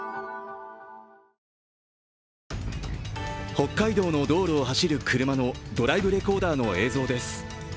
北海道の道路を走る車のドライブレコーダーの映像です。